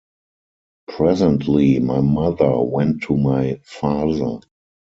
Presently my mother went to my father.